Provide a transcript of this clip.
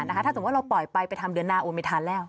ถ้าสมมุติเราปล่อยไปไปทำเดือนหน้าโอนไม่ทันแล้ว